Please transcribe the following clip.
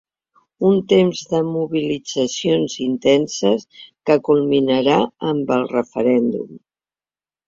Uns temps de mobilitzacions intenses que culminarà amb el referèndum.